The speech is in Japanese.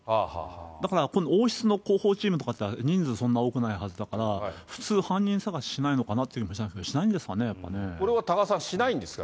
だから今度、王室の広報チームとかって人数、そんな多くないはずだから、普通、犯人探ししないのかって、しないんですかね、これは多賀さん、しないんですか？